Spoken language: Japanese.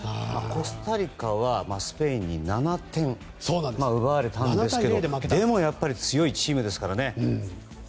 コスタリカスペインに７点奪われたんですがでも、強いチームですから。